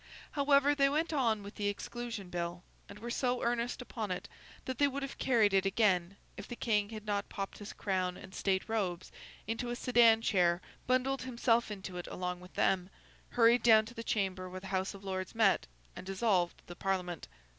However, they went on with the Exclusion Bill, and were so earnest upon it that they would have carried it again, if the King had not popped his crown and state robes into a sedan chair, bundled himself into it along with them, hurried down to the chamber where the House of Lords met, and dissolved the Parliament.